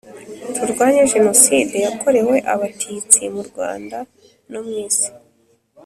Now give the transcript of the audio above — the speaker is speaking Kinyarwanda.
Tugwanye genoside y’ akorewe abatitsi mu Rwanda no mw ‘ isi